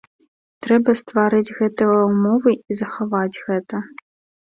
Трэба стварыць гэтыя ўмовы і захаваць гэта.